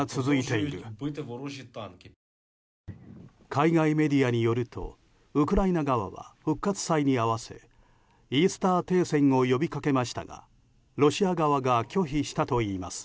海外メディアによるとウクライナ側は復活祭に合わせイースター停戦を呼びかけましたがロシア側が拒否したといいます。